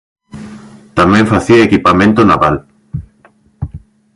Tamén facía equipamento naval.